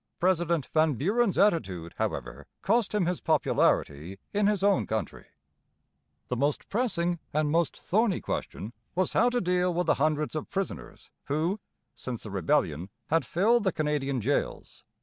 President Van Buren's attitude, however, cost him his popularity in his own country. The most pressing and most thorny question was how to deal with the hundreds of prisoners who, since the rebellion, had filled the Canadian jails.